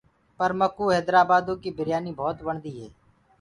پر مڪو هيدرآبآدو ڪيٚ بِريآنيٚ ڀوت وڻديٚ هي۔